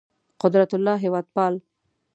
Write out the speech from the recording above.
قدرت الله هېوادپال